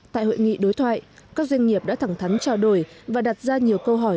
tại hội nghị đối thoại các doanh nghiệp đã thẳng thắn trao đổi và đặt ra nhiều câu hỏi